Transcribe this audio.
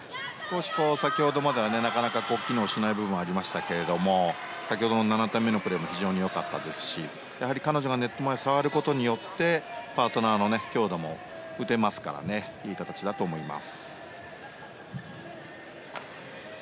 先ほどまではなかなか機能しない部分がありましたけども先ほどの７点目のプレーも非常に良かったですしやはり彼女がネット前で触ることによってパートナーの強打も打てますからいい形だと思います。